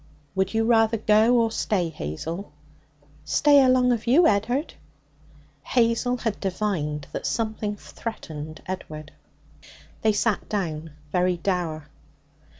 'Would you rather go or stay, Hazel?' 'Stay along of you, Ed'ard.' Hazel had divined that something threatened Edward. They sat down, very dour.